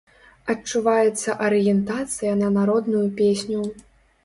Адчуваецца арыентацыя на народную песню.